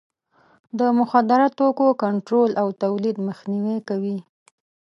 د مخدره توکو کنټرول او تولید مخنیوی کوي.